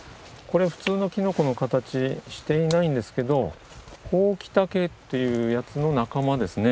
これ普通のきのこの形していないんですけどホウキタケというやつの仲間ですね。